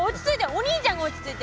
お兄ちゃんが落ち着いて！